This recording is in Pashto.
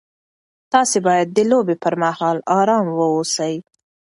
تاسي باید د لوبې پر مهال ارام واوسئ.